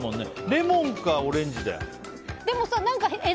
レモンかオレンジだよ。